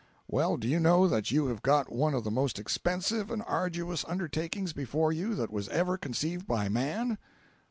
"Well, do you know that you have got one of the most expensive and arduous undertakings before you that was ever conceived by man?"